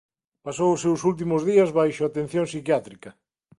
Pasou os seus últimos días baixo atención psiquiátrica.